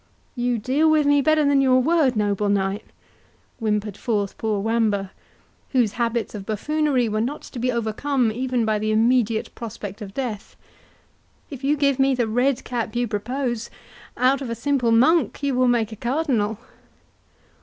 "You deal with me better than your word, noble knight," whimpered forth poor Wamba, whose habits of buffoonery were not to be overcome even by the immediate prospect of death; "if you give me the red cap you propose, out of a simple monk you will make a cardinal."